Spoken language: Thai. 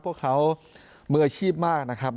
พวกเขาเมื้ออิกรีศมากนะครับ